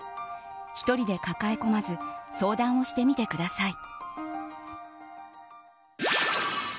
１人で抱え込まず相談をしてみてください。